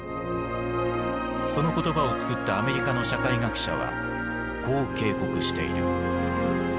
その言葉をつくったアメリカの社会学者はこう警告している。